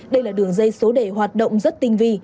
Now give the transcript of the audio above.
đây là đường dây số đề hoạt động rất tình vị